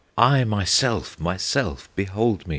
"I myself, myself! behold me!